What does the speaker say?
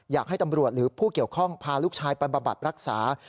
อยากให้ตำรวจหรือผู้เกี่ยวข้องพาลูกชายไปบำบัดรักษา